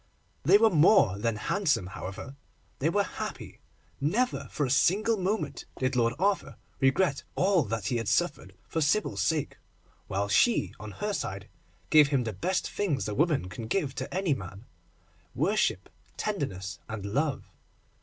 They were more than handsome, however—they were happy. Never for a single moment did Lord Arthur regret all that he had suffered for Sybil's sake, while she, on her side, gave him the best things a woman can give to any man—worship, tenderness, and love.